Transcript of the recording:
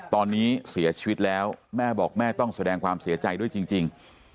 ตอนนี้เสียชีวิตแล้วแม่บอกแม่ต้องแสดงความเสียใจด้วยจริง